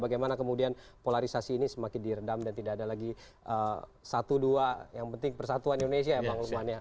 bagaimana kemudian polarisasi ini semakin direndam dan tidak ada lagi satu dua yang penting persatuan indonesia ya bang lukman ya